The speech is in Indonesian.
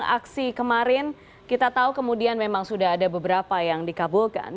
aksi kemarin kita tahu kemudian memang sudah ada beberapa yang dikabulkan